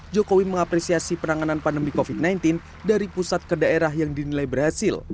jokowi mengapresiasi penanganan pandemi covid sembilan belas dari pusat ke daerah yang dinilai berhasil